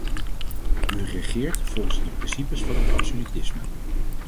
U regeert volgens de principes van het absolutisme.